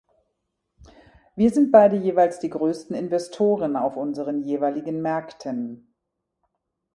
Wir sind beide jeweils die größten Investoren auf unseren jeweiligen Märkten.